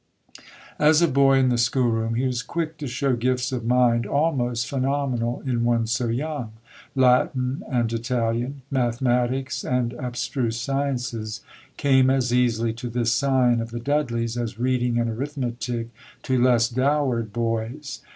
As a boy in the schoolroom he was quick to show gifts of mind almost phenomenal in one so young. Latin and Italian, mathematics and abstruse sciences came as easily to this scion of the Dudleys as reading and arithmetic to less dowered boys.